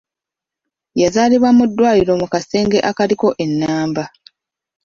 Yazaalibwa mu ddwaliro mu kasenge akaaliko ennamba.